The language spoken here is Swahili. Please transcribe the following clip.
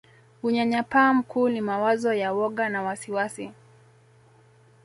Unyanyapaa mkuu ni mawazo ya woga na wasiwasi